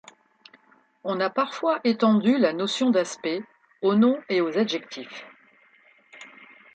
On a parfois étendu la notion d'aspect aux noms et aux adjectifs.